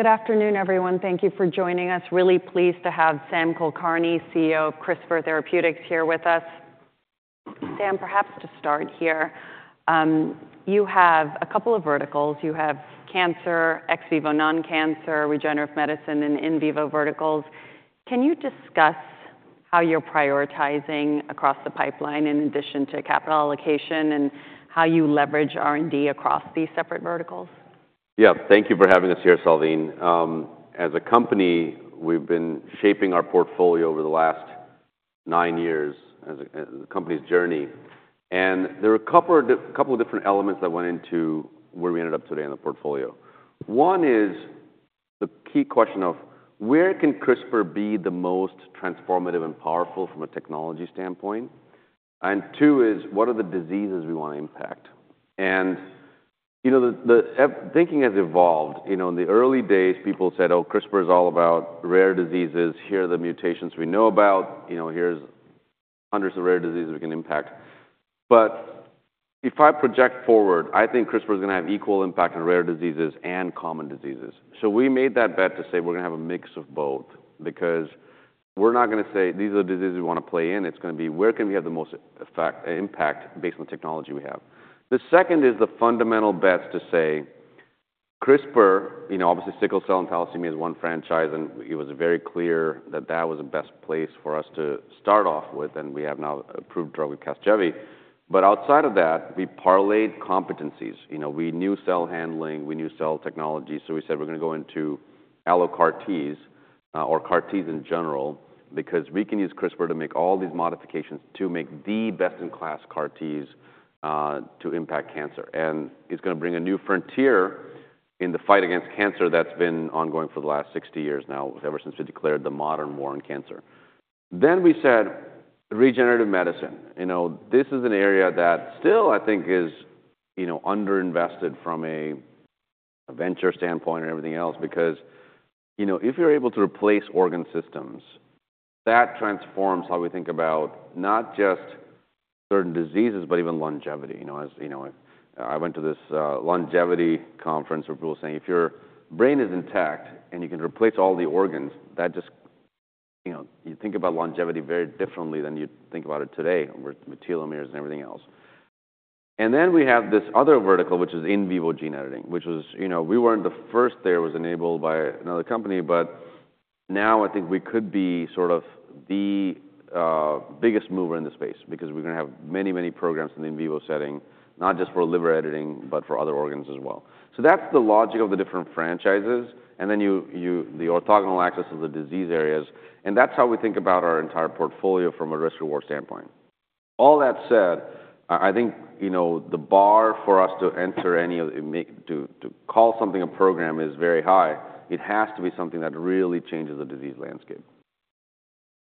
Good afternoon, everyone. Thank you for joining us. Really pleased to have Sam Kulkarni, CEO of CRISPR Therapeutics, here with us. Sam, perhaps to start here, you have a couple of verticals. You have cancer, ex-vivo non-cancer, regenerative medicine, and in-vivo verticals. Can you discuss how you're prioritizing across the pipeline in addition to capital allocation and how you leverage R&D across these separate verticals? Yeah, thank you for having us here, Salveen. As a company, we've been shaping our portfolio over the last nine years as a company's journey. There are a couple of different elements that went into where we ended up today in the portfolio. One is the key question of where can CRISPR be the most transformative and powerful from a technology standpoint? Two is, what are the diseases we want to impact? Thinking has evolved. In the early days, people said, oh, CRISPR is all about rare diseases. Here are the mutations we know about. Here's hundreds of rare diseases we can impact. But if I project forward, I think CRISPR is going to have equal impact on rare diseases and common diseases. So we made that bet to say we're going to have a mix of both because we're not going to say these are the diseases we want to play in. It's going to be, where can we have the most impact based on the technology we have? The second is the fundamental bets to say CRISPR, obviously sickle cell and thalassemia is one franchise, and it was very clear that that was the best place for us to start off with. And we have now approved drug with CASGEVY. But outside of that, we parlayed competencies. We knew cell handling, we knew cell technology. So we said we're going to go into allo-CAR-T or CAR-T in general because we can use CRISPR to make all these modifications to make the best-in-class CAR-T to impact cancer. It's going to bring a new frontier in the fight against cancer that's been ongoing for the last 60 years now, ever since we declared the modern war on cancer. Then we said regenerative medicine. This is an area that still, I think, is underinvested from a venture standpoint and everything else because if you're able to replace organ systems, that transforms how we think about not just certain diseases, but even longevity. I went to this longevity conference where people were saying if your brain is intact and you can replace all the organs, that just you think about longevity very differently than you think about it today with telomeres and everything else. And then we have this other vertical, which is in vivo gene editing, which was we weren't the first. There was enabled by another company. But now I think we could be sort of the biggest mover in the space because we're going to have many, many programs in the in-vivo setting, not just for liver editing, but for other organs as well. So that's the logic of the different franchises. And then the orthogonal axis is the disease areas. And that's how we think about our entire portfolio from a risk-reward standpoint. All that said, I think the bar for us to enter any of to call something a program is very high. It has to be something that really changes the disease landscape.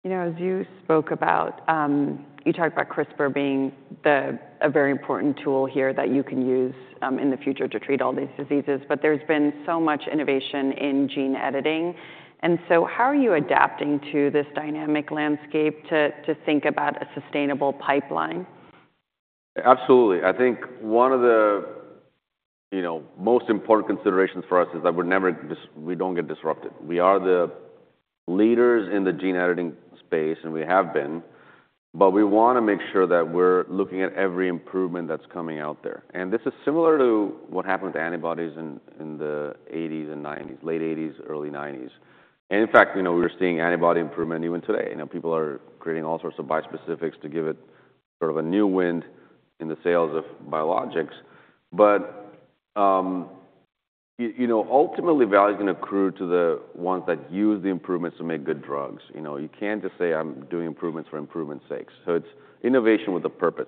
You know. As you spoke about, you talked about CRISPR being a very important tool here that you can use in the future to treat all these diseases. But there's been so much innovation in gene editing. And so how are you adapting to this dynamic landscape to think about a sustainable pipeline? Absolutely. I think one of the most important considerations for us is that we don't get disrupted. We are the leaders in the gene editing space, and we have been. But we want to make sure that we're looking at every improvement that's coming out there. And this is similar to what happened with antibodies in the '80s and '90s, late '80s, early '90s. And in fact, we were seeing antibody improvement even today. People are creating all sorts of bispecifics to give it sort of a new wind in the sales of biologics. But ultimately, value is going to accrue to the ones that use the improvements to make good drugs. You can't just say I'm doing improvements for improvement's sake. So it's innovation with a purpose.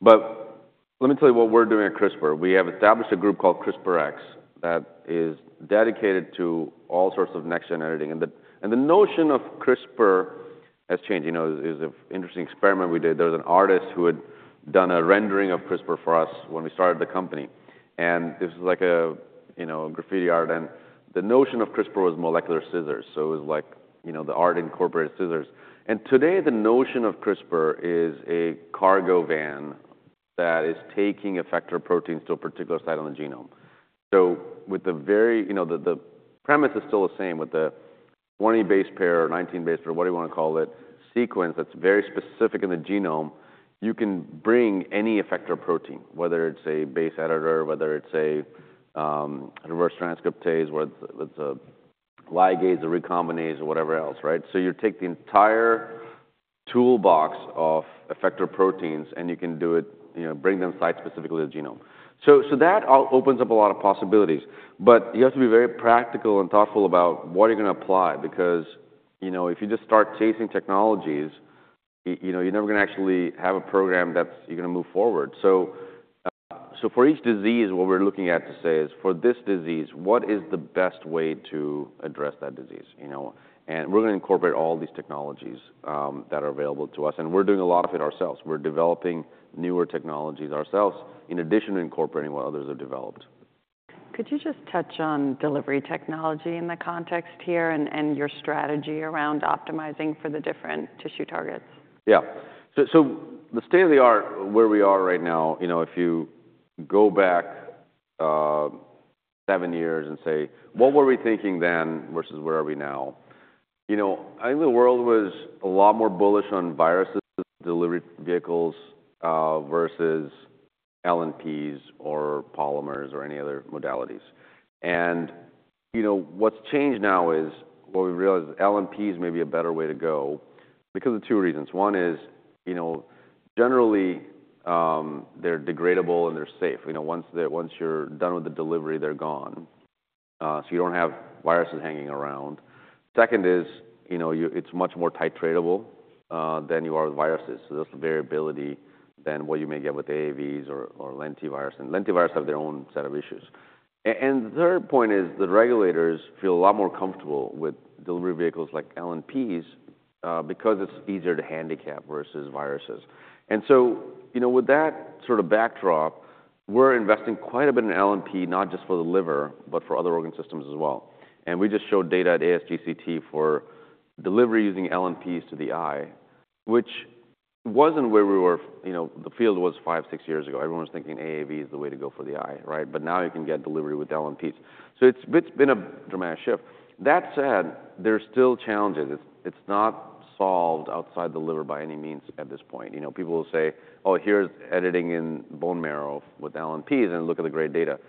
But let me tell you what we're doing at CRISPR. We have established a group called CRISPR-X that is dedicated to all sorts of next-gen editing. The notion of CRISPR has changed. There's an interesting experiment we did. There was an artist who had done a rendering of CRISPR for us when we started the company. This was like a graffiti art. The notion of CRISPR was molecular scissors. So it was like the art incorporated scissors. Today, the notion of CRISPR is a cargo van that is taking effector proteins to a particular site on the genome. So with the very premise is still the same with the 20 base pair or 19 base pair, whatever you want to call it, sequence that's very specific in the genome, you can bring any effector protein, whether it's a base editor, whether it's a reverse transcriptase, whether it's a ligase, a recombinase, or whatever else. So you take the entire toolbox of effector proteins, and you can bring them site-specifically to the genome. So that opens up a lot of possibilities. But you have to be very practical and thoughtful about what you're going to apply because if you just start chasing technologies, you're never going to actually have a program that you're going to move forward. So for each disease, what we're looking at to say is, for this disease, what is the best way to address that disease? And we're going to incorporate all these technologies that are available to us. And we're doing a lot of it ourselves. We're developing newer technologies ourselves in addition to incorporating what others have developed. Could you just touch on delivery technology in the context here and your strategy around optimizing for the different tissue targets? Yeah. So the state of the art where we are right now, if you go back seven years and say, what were we thinking then versus where are we now? I think the world was a lot more bullish on viruses, delivery vehicles versus LNPs or polymers or any other modalities. And what's changed now is what we realized is LNPs may be a better way to go because of two reasons. One is, generally, they're degradable and they're safe. Once you're done with the delivery, they're gone. So you don't have viruses hanging around. Second is, it's much more titratable than you are with viruses. So there's variability than what you may get with AAVs or lentivirus. And lentivirus have their own set of issues. And the third point is the regulators feel a lot more comfortable with delivery vehicles like LNPs because it's easier to handicap versus viruses. And so with that sort of backdrop, we're investing quite a bit in LNP, not just for the liver, but for other organ systems as well. We just showed data at ASGCT for delivery using LNPs to the eye, which wasn't where we were. The field was 5, 6 years ago. Everyone was thinking AAV is the way to go for the eye. But now you can get delivery with LNPs. So it's been a dramatic shift. That said, there's still challenges. It's not solved outside the liver by any means at this point. People will say, oh, here's editing in bone marrow with LNPs and look at the great data.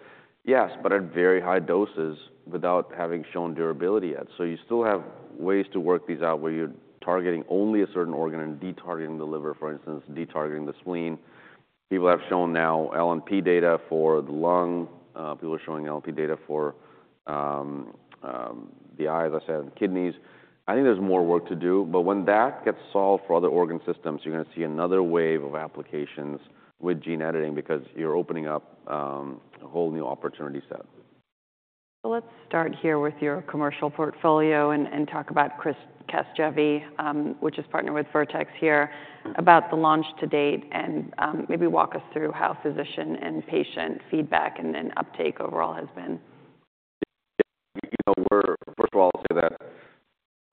Yes, but at very high doses without having shown durability yet. So you still have ways to work these out where you're targeting only a certain organ and detargeting the liver, for instance, detargeting the spleen. People have shown now LNP data for the lung. People are showing LNP data for the eye, as I said, and kidneys. I think there's more work to do. But when that gets solved for other organ systems, you're going to see another wave of applications with gene editing because you're opening up a whole new opportunity set. Let's start here with your commercial portfolio and talk about Casgevy, which is partnered with Vertex here, about the launch to date and maybe walk us through how physician and patient feedback and uptake overall has been. First of all, I'll say that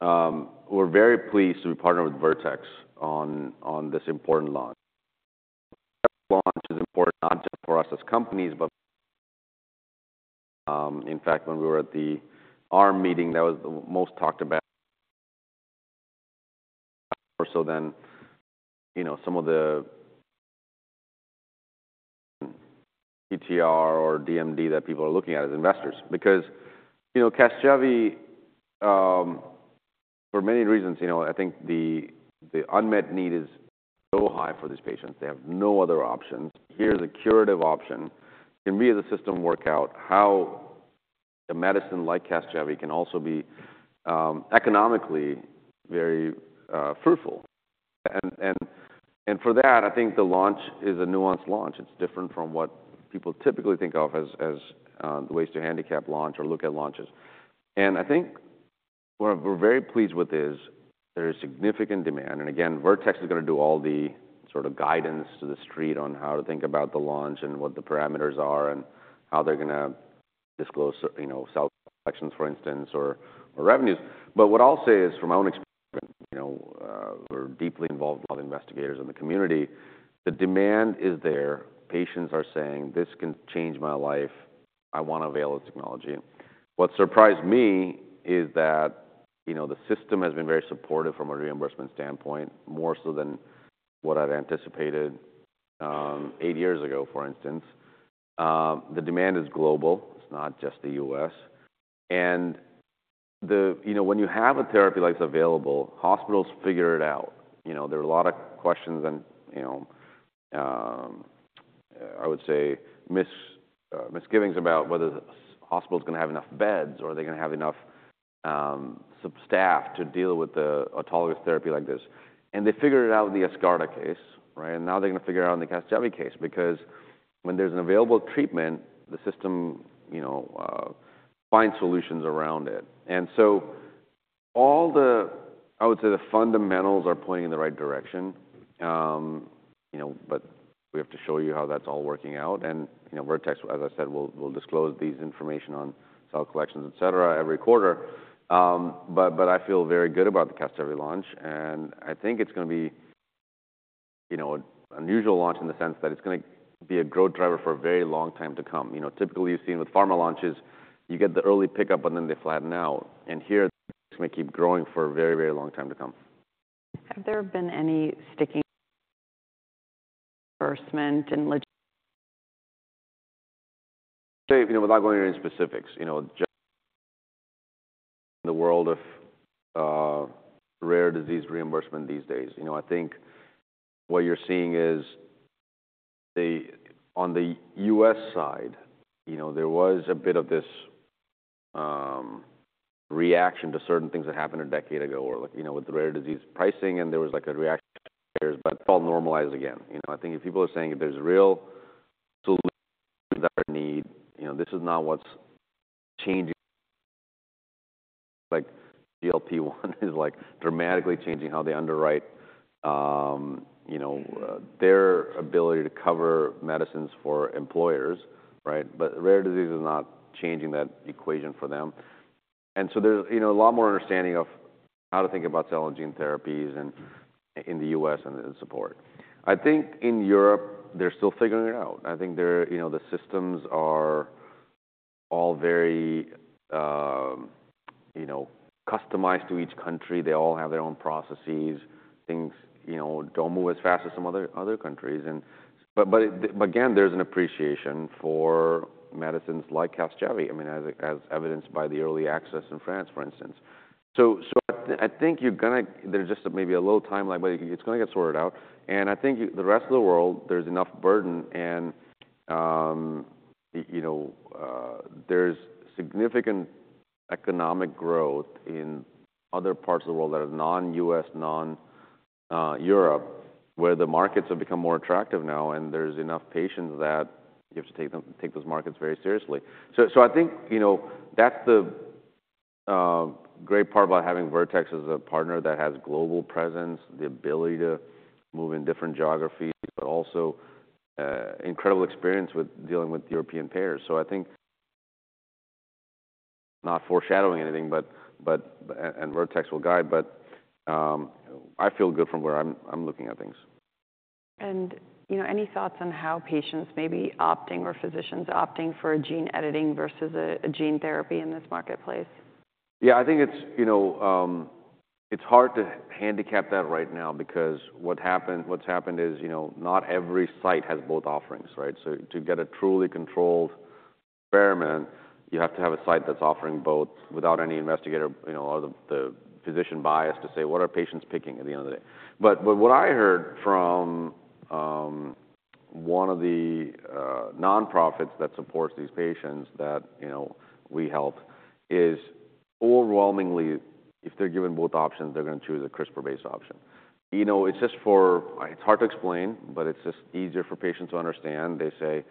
we're very pleased to be partnered with Vertex on this important launch. This launch is important not just for us as companies, but in fact, when we were at the ARM meeting, that was the most talked about. So then some of the TTR or DMD that people are looking at as investors because CASGEVY, for many reasons, I think the unmet need is so high for these patients. They have no other options. Here's a curative option. Can we, as a system, work out how a medicine like CASGEVY can also be economically very fruitful? And for that, I think the launch is a nuanced launch. It's different from what people typically think of as the ways to handicap launch or look at launches. And I think what we're very pleased with is there is significant demand. And again, Vertex is going to do all the sort of guidance to the street on how to think about the launch and what the parameters are and how they're going to disclose self-selections, for instance, or revenues. But what I'll say is, from my own experience, we're deeply involved with a lot of investigators in the community. The demand is there. Patients are saying, this can change my life. I want to avail this technology. What surprised me is that the system has been very supportive from a reimbursement standpoint, more so than what I'd anticipated eight years ago, for instance. The demand is global. It's not just the U.S. And when you have a therapy like it's available, hospitals figure it out. There are a lot of questions and, I would say, misgivings about whether hospitals are going to have enough beds or are they going to have enough staff to deal with the autologous therapy like this. They figured it out in the Yescarta case. Now they're going to figure it out in the Casgevy case because when there's an available treatment, the system finds solutions around it. So all the, I would say, the fundamentals are pointing in the right direction. But we have to show you how that's all working out. Vertex, as I said, will disclose this information on cell collections, et cetera, every quarter. I feel very good about the Casgevy launch. I think it's going to be an unusual launch in the sense that it's going to be a growth driver for a very long time to come. Typically, you've seen with pharma launches, you get the early pickup, and then they flatten out. Here, they're going to keep growing for a very, very long time to come. Have there been any sticking points on reimbursement and eligibility? Without going into specifics, just in the world of rare disease reimbursement these days, I think what you're seeing is on the U.S. side, there was a bit of this reaction to certain things that happened a decade ago with rare disease pricing. There was like a reaction to carriers. But it all normalized again. I think if people are saying there's real solutions that are needed, this is not what's changing. GLP-1 is like dramatically changing how they underwrite their ability to cover medicines for employers. But rare disease is not changing that equation for them. And so there's a lot more understanding of how to think about cell and gene therapies in the U.S. and the support. I think in Europe, they're still figuring it out. I think the systems are all very customized to each country. They all have their own processes. Things don't move as fast as some other countries. But again, there's an appreciation for medicines like CASGEVY, as evidenced by the early access in France, for instance. So I think you're going to there's just maybe a little timeline, but it's going to get sorted out. And I think the rest of the world, there's enough burden. And there's significant economic growth in other parts of the world that are non-U.S., non-Europe, where the markets have become more attractive now. And there's enough patients that you have to take those markets very seriously. So I think that's the great part about having Vertex as a partner that has global presence, the ability to move in different geographies, but also incredible experience with dealing with European payers. So I think not foreshadowing anything, and Vertex will guide. But I feel good from where I'm looking at things. Any thoughts on how patients may be opting or physicians opting for gene editing versus a gene therapy in this marketplace? Yeah. I think it's hard to handicap that right now because what's happened is not every site has both offerings. So to get a truly controlled experiment, you have to have a site that's offering both without any investigator or the physician bias to say, what are patients picking at the end of the day? But what I heard from one of the nonprofits that supports these patients that we help is, overwhelmingly, if they're given both options, they're going to choose a CRISPR-based option. It's just for it's hard to explain, but it's just easier for patients to understand. They say,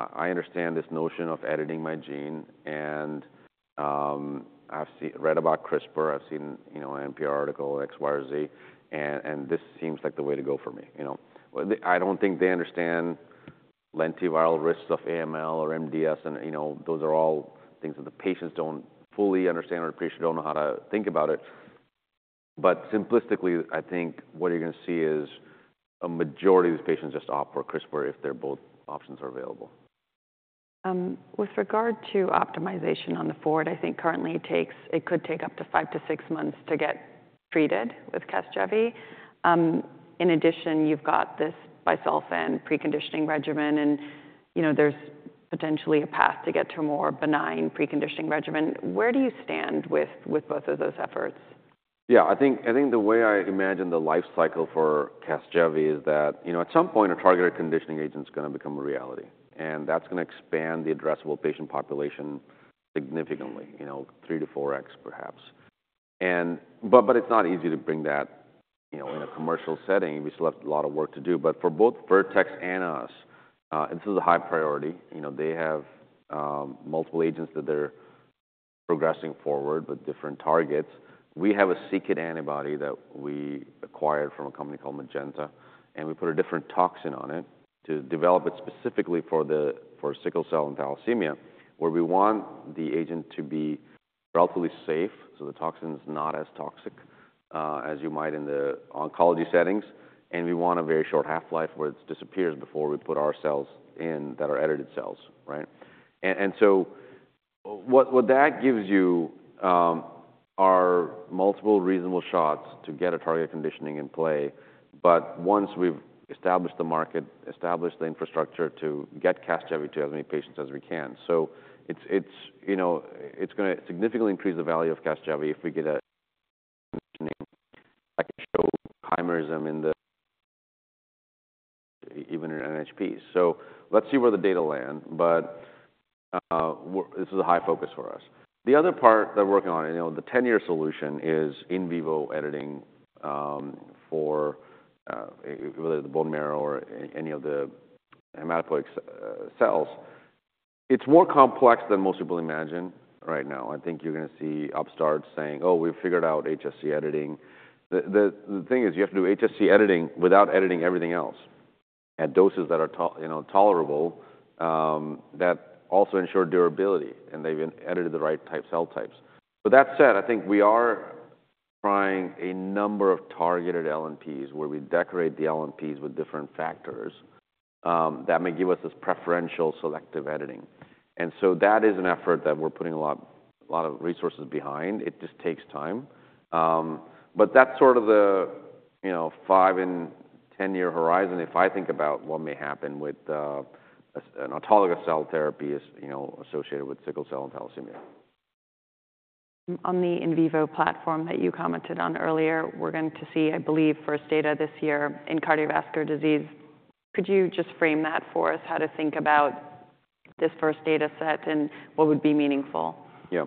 I understand this notion of editing my gene. And I've read about CRISPR. I've seen an NPR article, X, Y, or Z. And this seems like the way to go for me. I don't think they understand lentiviral risks of AML or MDS. Those are all things that the patients don't fully understand or appreciate. They don't know how to think about it. But simplistically, I think what you're going to see is a majority of these patients just opt for CRISPR if both options are available. With regard to optimization going forward, I think currently it could take up to 5-6 months to get treated with CASGEVY. In addition, you've got this busulfan preconditioning regimen. There's potentially a path to get to a more benign preconditioning regimen. Where do you stand with both of those efforts? Yeah. I think the way I imagine the life cycle for CASGEVY is that at some point, a targeted conditioning agent is going to become a reality. And that's going to expand the addressable patient population significantly, 3-4x, perhaps. But it's not easy to bring that in a commercial setting. We still have a lot of work to do. But for both Vertex and us, this is a high priority. They have multiple agents that they're progressing forward with different targets. We have a secret antibody that we acquired from a company called Magenta. And we put a different toxin on it to develop it specifically for sickle cell and thalassemia, where we want the agent to be relatively safe. So the toxin is not as toxic as you might in the oncology settings. We want a very short half-life where it disappears before we put our cells in that are edited cells. So what that gives you are multiple reasonable shots to get a target conditioning in play. But once we've established the market, established the infrastructure to get Casgevy to as many patients as we can. So it's going to significantly increase the value of Casgevy if we get a conditioning that can show chimerism even in NHP. So let's see where the data land. But this is a high focus for us. The other part that we're working on, the 10-year solution, is in vivo editing for whether it's the bone marrow or any of the hematopoietic cells. It's more complex than most people imagine right now. I think you're going to see upstarts saying, oh, we've figured out HSC editing. The thing is, you have to do HSC editing without editing everything else at doses that are tolerable that also ensure durability. And they've edited the right type cell types. With that said, I think we are trying a number of targeted LNPs where we decorate the LNPs with different factors that may give us this preferential selective editing. And so that is an effort that we're putting a lot of resources behind. It just takes time. But that's sort of the 5- and 10-year horizon, if I think about what may happen with an autologous cell therapy associated with sickle cell and thalassemia. On the in vivo platform that you commented on earlier, we're going to see, I believe, first data this year in cardiovascular disease. Could you just frame that for us, how to think about this first data set and what would be meaningful? Yeah.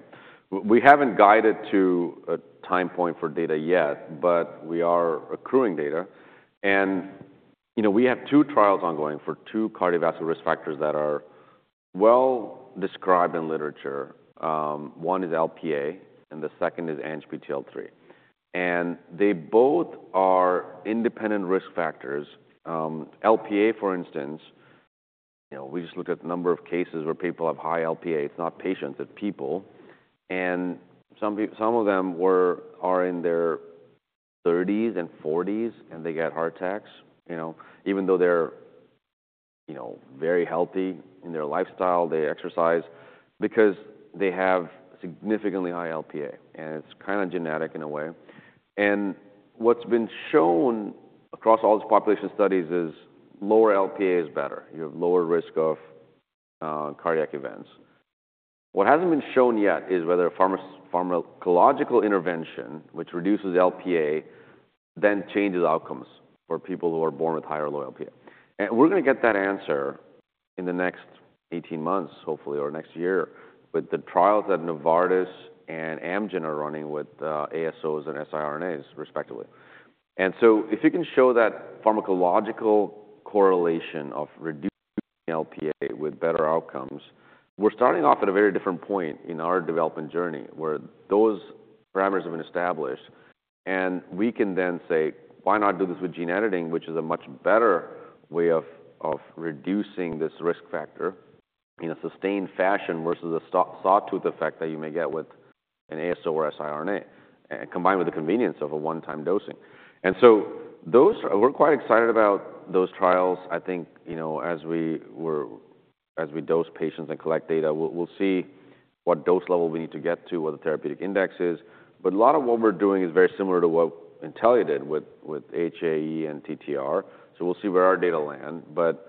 We haven't guided to a time point for data yet, but we are accruing data. We have two trials ongoing for two cardiovascular risk factors that are well described in literature. One is Lp(a), and the second is ANGPTL3. They both are independent risk factors. Lp(a), for instance, we just looked at the number of cases where people have high Lp(a). It's not patients. It's people. Some of them are in their 30s and 40s, and they get heart attacks. Even though they're very healthy in their lifestyle, they exercise because they have significantly high Lp(a). It's kind of genetic in a way. What's been shown across all these population studies is lower Lp(a) is better. You have lower risk of cardiac events. What hasn't been shown yet is whether pharmacological intervention, which reduces Lp(a), then changes outcomes for people who are born with high or low Lp(a). And we're going to get that answer in the next 18 months, hopefully, or next year with the trials that Novartis and Amgen are running with ASOs and siRNAs, respectively. And so if you can show that pharmacological correlation of reducing Lp(a) with better outcomes, we're starting off at a very different point in our development journey where those parameters have been established. And we can then say, why not do this with gene editing, which is a much better way of reducing this risk factor in a sustained fashion versus the sawtooth effect that you may get with an ASO or siRNA, combined with the convenience of a one-time dosing. And so we're quite excited about those trials. I think as we dose patients and collect data, we'll see what dose level we need to get to, what the therapeutic index is. But a lot of what we're doing is very similar to what Intellia did with HAE and TTR. So we'll see where our data land. But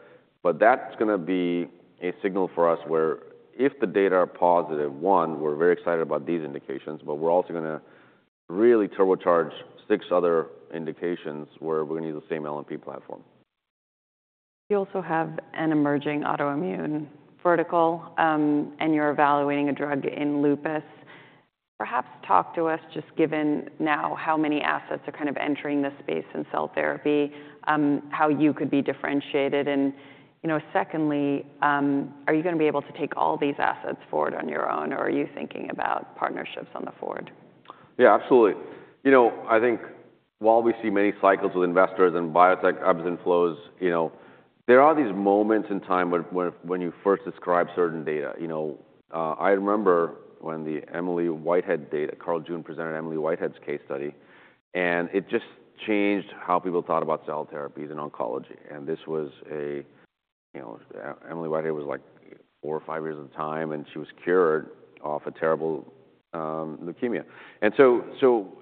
that's going to be a signal for us where if the data are positive, one, we're very excited about these indications. But we're also going to really turbocharge six other indications where we're going to use the same LNP platform. You also have an emerging autoimmune vertical, and you're evaluating a drug in lupus. Perhaps talk to us, just given now how many assets are kind of entering the space in cell therapy, how you could be differentiated. And secondly, are you going to be able to take all these assets forward on your own, or are you thinking about partnerships going forward? Yeah, absolutely. I think while we see many cycles with investors and biotech ebbs and flows, there are these moments in time when you first describe certain data. I remember when the Emily Whitehead data, Carl June presented Emily Whitehead's case study. And it just changed how people thought about cell therapies in oncology. And this was, Emily Whitehead was like four or five years at the time. And she was cured of a terrible leukemia. And so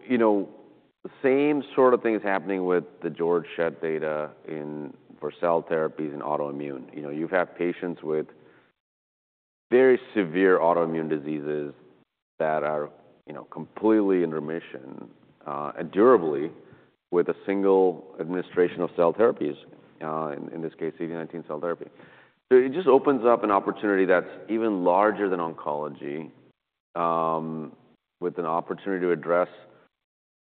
the same sort of thing is happening with the Georg Schett data in, for cell therapies in autoimmune. You've had patients with very severe autoimmune diseases that are completely in remission and durably with a single administration of cell therapies, in this case, CD19 cell therapy. So it just opens up an opportunity that's even larger than oncology, with an opportunity to address,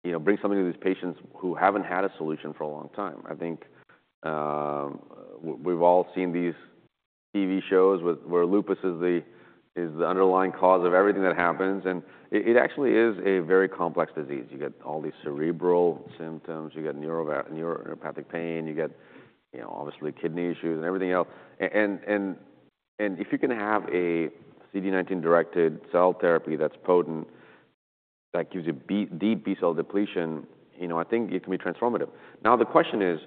bring something to these patients who haven't had a solution for a long time. I think we've all seen these TV shows where lupus is the underlying cause of everything that happens. And it actually is a very complex disease. You get all these cerebral symptoms. You get neuropathic pain. You get, obviously, kidney issues and everything else. And if you can have a CD19-directed cell therapy that's potent, that gives you deep B-cell depletion, I think it can be transformative. Now, the question is,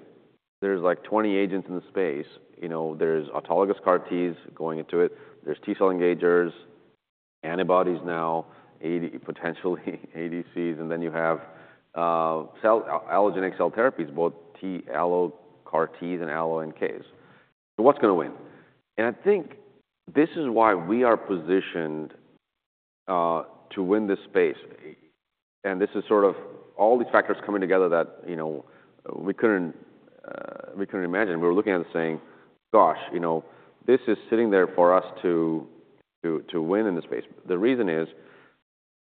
there's like 20 agents in the space. There's autologous CAR-Ts going into it. There's T-cell engagers, antibodies now, potentially ADCs. And then you have allogeneic cell therapies, both T-allo-CAR-Ts and allo-NKs. So what's going to win? I think this is why we are positioned to win this space. This is sort of all these factors coming together that we couldn't imagine. We were looking at it saying, gosh, this is sitting there for us to win in this space. The reason is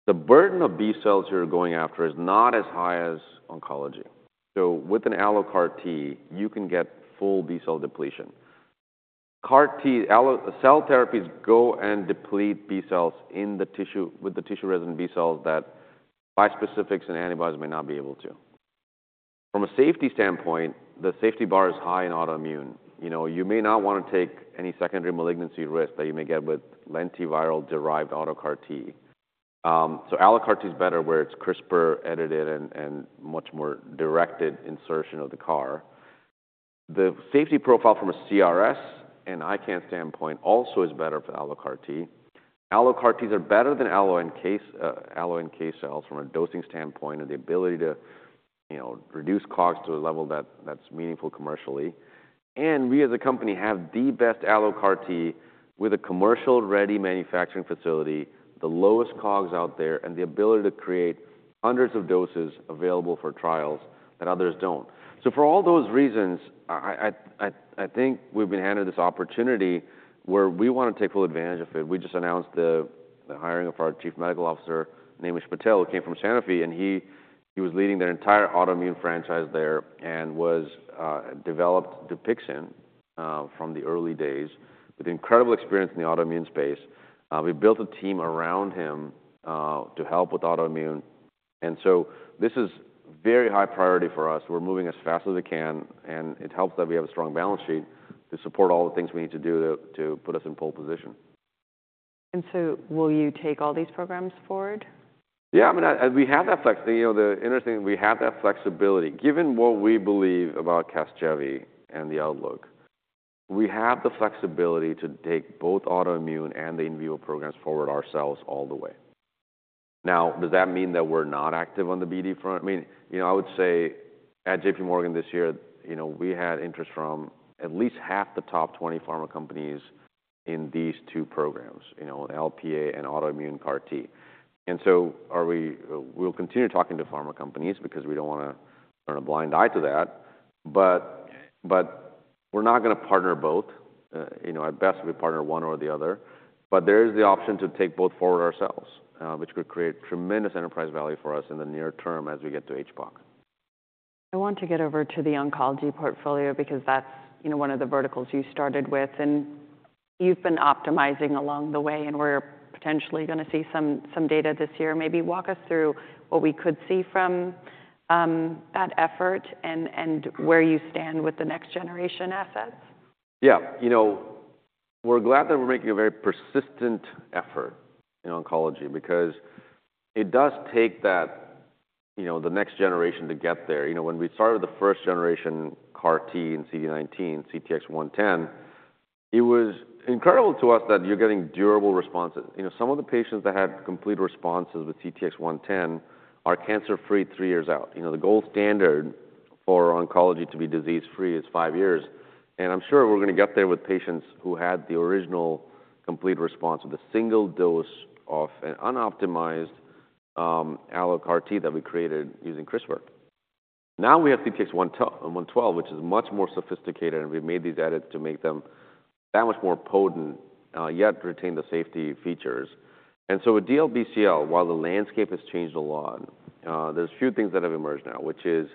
the burden of B-cells you're going after is not as high as oncology. With an allo-CAR-T, you can get full B-cell depletion. Cell therapies go and deplete B-cells with the tissue resident B-cells that bispecifics and antibodies may not be able to. From a safety standpoint, the safety bar is high in autoimmune. You may not want to take any secondary malignancy risk that you may get with lentiviral-derived auto-CAR-T. Allo-CAR-T is better where it's CRISPR-edited and much more directed insertion of the CAR. The safety profile from a CRS and ICANS standpoint also is better for allo-CAR-T. Allo-CAR-Ts are better than allo-NK cells from a dosing standpoint and the ability to reduce COGS to a level that's meaningful commercially. We, as a company, have the best allo-CAR-T with a commercial-ready manufacturing facility, the lowest COGS out there, and the ability to create hundreds of doses available for trials that others don't. For all those reasons, I think we've been handed this opportunity where we want to take full advantage of it. We just announced the hiring of our Chief Medical Officer, Naimish Patel, who came from Sanofi. He was leading their entire autoimmune franchise there and developed Dupixent from the early days with incredible experience in the autoimmune space. We built a team around him to help with autoimmune. This is very high priority for us. We're moving as fast as we can. It helps that we have a strong balance sheet to support all the things we need to do to put us in pole position. Will you take all these programs forward? Yeah. I mean, we have that flexibility. The interesting thing, we have that flexibility. Given what we believe about Casgevy and the outlook, we have the flexibility to take both autoimmune and the in vivo programs forward ourselves all the way. Now, does that mean that we're not active on the BD front? I mean, I would say at J.P. Morgan this year, we had interest from at least half the top 20 pharma companies in these two programs, Lp(a) and autoimmune CAR-T. And so we'll continue talking to pharma companies because we don't want to turn a blind eye to that. But we're not going to partner both. At best, we partner one or the other. But there is the option to take both forward ourselves, which could create tremendous enterprise value for us in the near term as we get to hPOC. I want to get over to the oncology portfolio because that's one of the verticals you started with. You've been optimizing along the way. We're potentially going to see some data this year. Maybe walk us through what we could see from that effort and where you stand with the next generation assets. Yeah. We're glad that we're making a very persistent effort in oncology because it does take the next generation to get there. When we started the first generation CAR-T and CD19, CTX110, it was incredible to us that you're getting durable responses. Some of the patients that had complete responses with CTX110 are cancer-free 3 years out. The gold standard for oncology to be disease-free is 5 years. And I'm sure we're going to get there with patients who had the original complete response with a single dose of an unoptimized Allo-CAR-T that we created using CRISPR. Now we have CTX112, which is much more sophisticated. And we've made these edits to make them that much more potent, yet retain the safety features. With DLBCL, while the landscape has changed a lot, there are a few things that have emerged now, which is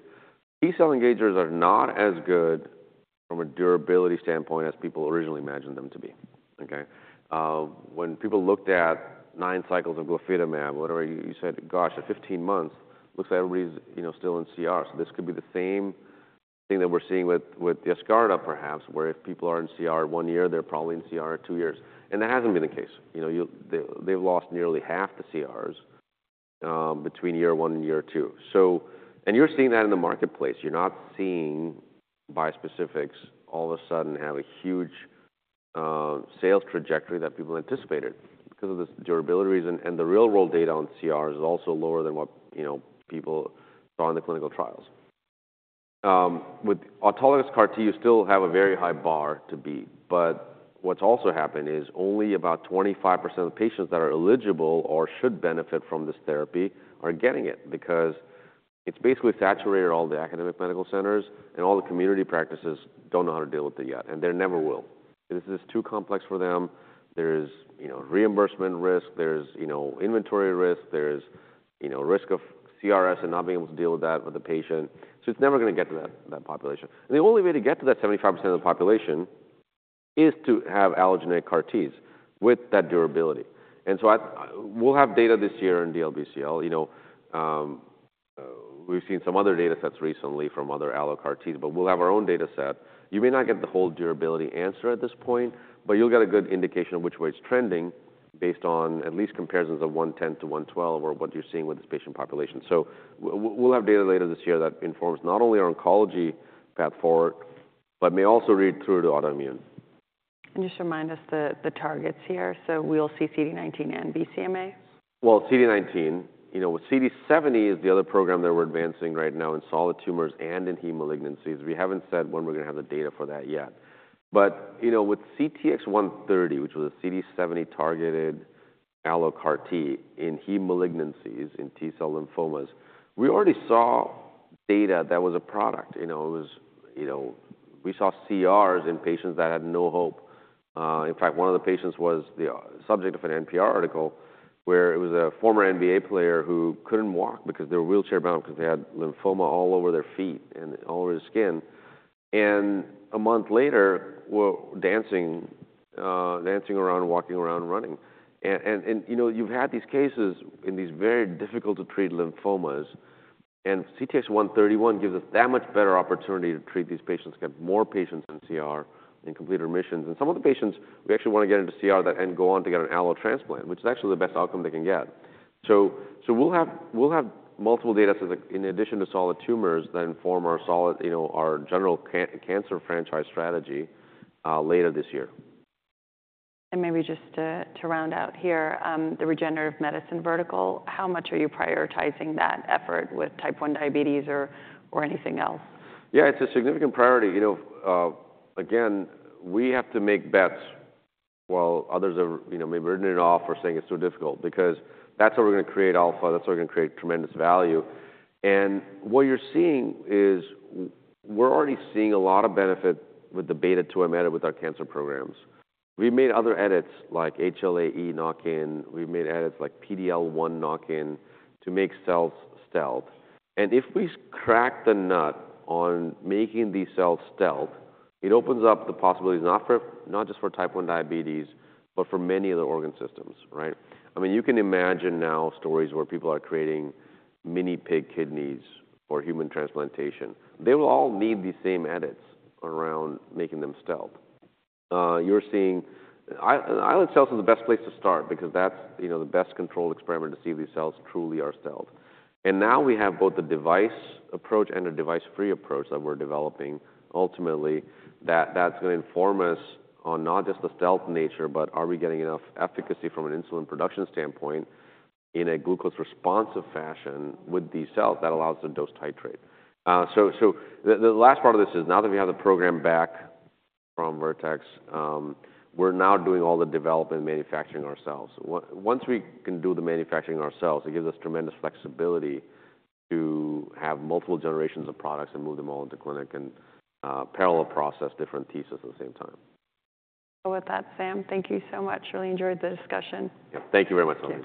T-cell engagers are not as good from a durability standpoint as people originally imagined them to be. When people looked at 9 cycles of glofitamab, whatever you said, gosh, at 15 months, looks like everybody's still in CR. So this could be the same thing that we're seeing with Yescarta, perhaps, where if people are in CR 1 year, they're probably in CR 2 years. And that hasn't been the case. They've lost nearly half the CRs between year 1 and year 2. And you're seeing that in the marketplace. You're not seeing bispecifics all of a sudden have a huge sales trajectory that people anticipated because of this durability reason. And the real-world data on CRs is also lower than what people saw in the clinical trials. With autologous CAR-T, you still have a very high bar to beat. But what's also happened is only about 25% of patients that are eligible or should benefit from this therapy are getting it because it's basically saturated all the academic medical centers. And all the community practices don't know how to deal with it yet. And they never will. This is too complex for them. There is reimbursement risk. There is inventory risk. There is risk of CRS and not being able to deal with that with the patient. So it's never going to get to that population. And the only way to get to that 75% of the population is to have allogeneic CAR-Ts with that durability. And so we'll have data this year in DLBCL. We've seen some other data sets recently from other allo-CAR-Ts. But we'll have our own data set. You may not get the whole durability answer at this point. You'll get a good indication of which way it's trending based on at least comparisons of 110 to 112 or what you're seeing with this patient population. We'll have data later this year that informs not only our oncology path forward but may also read through to autoimmune. Just remind us the targets here. We'll see CD19 and BCMA? Well, CD19. CD70 is the other program that we're advancing right now in solid tumors and in heme malignancies. We haven't said when we're going to have the data for that yet. But with CTX130, which was a CD70-targeted allo-CAR-T in heme malignancies in T-cell lymphomas, we already saw data that was a product. We saw CRs in patients that had no hope. In fact, one of the patients was the subject of an NPR article where it was a former NBA player who couldn't walk because they were wheelchair-bound because they had lymphoma all over their feet and all over his skin. And a month later, dancing around, walking around, running. And you've had these cases in these very difficult-to-treat lymphomas. And CTX131 gives us that much better opportunity to treat these patients, get more patients in CR, and complete remissions. Some of the patients, we actually want to get into CR and go on to get an allotransplant, which is actually the best outcome they can get. We'll have multiple data sets in addition to solid tumors that inform our general cancer franchise strategy later this year. Maybe just to round out here, the regenerative medicine vertical, how much are you prioritizing that effort with type 1 diabetes or anything else? Yeah, it's a significant priority. Again, we have to make bets while others may be written it off or saying it's too difficult because that's how we're going to create alpha. That's how we're going to create tremendous value. And what you're seeing is we're already seeing a lot of benefit with the beta-2 microglobulin with our cancer programs. We've made other edits like HLA-E knock-in. We've made edits like PD-L1 knock-in to make cells stealth. And if we crack the nut on making these cells stealth, it opens up the possibilities not just for type 1 diabetes but for many other organ systems. I mean, you can imagine now stories where people are creating mini pig kidneys for human transplantation. They will all need the same edits around making them stealth. You're seeing islet cells is the best place to start because that's the best controlled experiment to see if these cells truly are stealth. And now we have both a device approach and a device-free approach that we're developing ultimately that's going to inform us on not just the stealth nature but are we getting enough efficacy from an insulin production standpoint in a glucose-responsive fashion with these cells that allows the dose titrate. So the last part of this is now that we have the program back from Vertex, we're now doing all the development and manufacturing ourselves. Once we can do the manufacturing ourselves, it gives us tremendous flexibility to have multiple generations of products and move them all into clinic and parallel process different T-cells at the same time. With that, Sam, thank you so much. Really enjoyed the discussion. Thank you very much.